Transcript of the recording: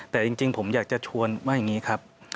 แต่จริงผมอยากจะชวนว่าอย่างนี้ครับ